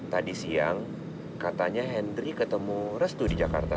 tadi siang katanya hendry ketemu restu di jakarta